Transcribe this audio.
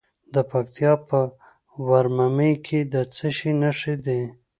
د پکتیکا په ورممی کې د څه شي نښې دي؟